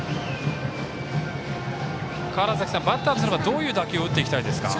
バッターとすればどういう打球を打っていきたいですか。